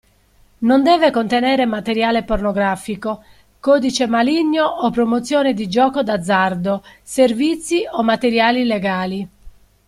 Non deve contenere materiale pornografico, codice maligno o promozione di gioco d'azzardo/servizi o materiali illegali.